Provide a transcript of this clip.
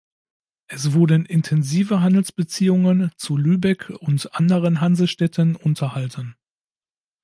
Es wurden intensive Handelsbeziehungen zu Lübeck und anderen Hansestädten unterhalten.